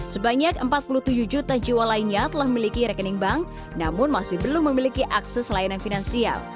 sebanyak empat puluh tujuh juta jiwa lainnya telah memiliki rekening bank namun masih belum memiliki akses layanan finansial